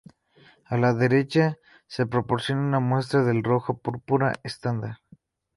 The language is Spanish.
A la derecha se proporciona una muestra del rojo púrpura estándar.